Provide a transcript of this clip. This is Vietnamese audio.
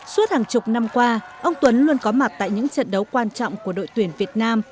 suốt hàng chục năm qua ông tuấn luôn có mặt tại những trận đấu quan trọng của đội tuyển việt nam